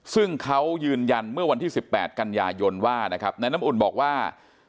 ซึ่งเขายืนยันเมื่อวันที่๑๘กันยายนว่านะครับนายน้ำอุ่นบอกว่า